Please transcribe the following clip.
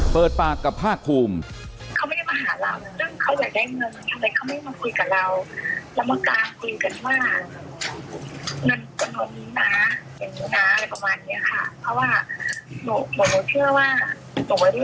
เปิดปากกับภาคภูมิเขาไม่ได้มาหาเรานั่นเขาอยากได้เงิน